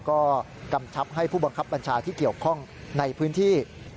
ก็กำชับให้ผู้บังคับบัญชาที่เกี่ยวข้องในพื้นที่